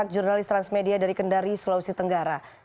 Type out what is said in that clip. terima kasih pak